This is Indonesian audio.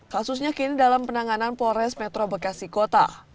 kasusnya kini dalam penanganan polres metro bekasi kota